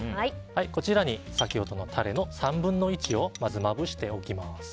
こちらに先ほどのタレの３分の１をまぶしておきます。